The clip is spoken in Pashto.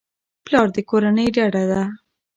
پلار د کورنۍ ډډه ده.